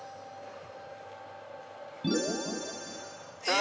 え！